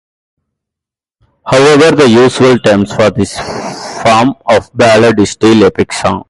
However, the usual term for this form of ballad is still epic song.